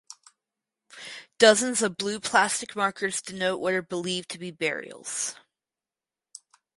Dozens of blue plastic markers denote what are believed to be burials.